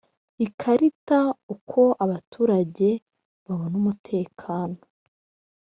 ikarita uko abaturage babona umutekano